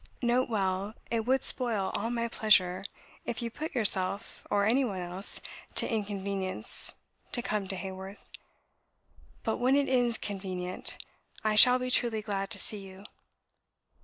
Note well, it would spoil all my pleasure, if you put yourself or any one else to inconvenience to come to Haworth. But when it is CONVENIENT, I shall be truly glad to see you.